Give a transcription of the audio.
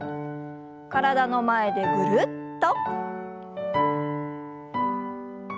体の前でぐるっと。